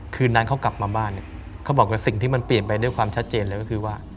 คืนนั้นเขากลับมาบ้านเนี่ยเขาบอกว่าสิ่งที่มันเปลี่ยนไปด้วยความชัดเจนเลยก็คือว่า